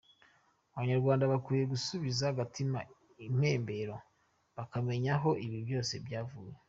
Abanyarwanda bakwiye gusubiza agatima impembero bakamenya aho ibi byose byavuye.